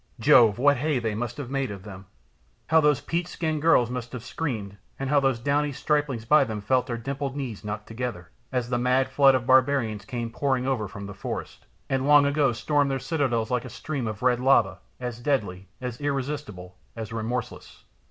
Jove, what hay they must have made of them! How those peach skinned girls must have screamed and the downy striplings by them felt their dimpled knees knock together, as the mad flood of barbarians came pouring over from the forest, and long ago stormed their citadels like a stream of red lava, as deadly, as irresistible, as remorseless!"